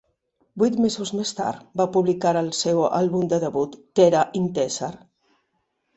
Vuit mesos més tard, va publicar el seu àlbum de debut "Tera Intezar".